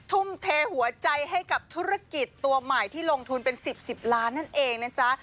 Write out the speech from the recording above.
ทุ่มเทหัวใจให้กับธุรกิจตัวใหม่ที่ลงทุนเป็น๑๐๑๐ล้านนั่นเองนะจ๊ะ